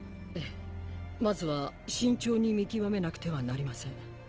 えぇまずは慎重に見極めなくてはなりません。